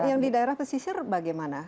yang di daerah pesisir bagaimana